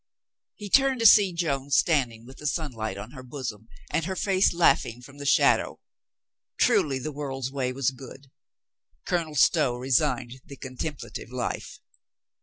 ... He turned to see Joan standing with the sunlight on her bosom and her, face laughing from the THE MASTER OF ALL 4/1 shadow. Truly the world's way was good. Colonel Stow resigned the contemplative life.